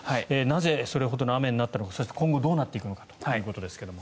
なぜ、それほどの雨になったのかそして、今後どうなっていくのかということですが。